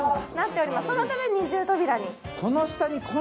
そのため二重扉に。